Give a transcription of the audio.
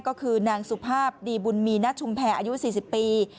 ก็คือนางสุภาพดีบุญมีณชุมแพรอายุ๔๐ปี